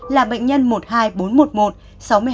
là bệnh nhân một mươi hai nghìn bốn trăm một mươi một sáu mươi hai